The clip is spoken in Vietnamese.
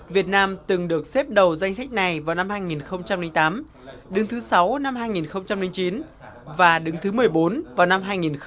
việt nam từng được xếp đầu danh sách này vào năm hai nghìn tám đứng thứ sáu năm hai nghìn chín và đứng thứ một mươi bốn vào năm hai nghìn một mươi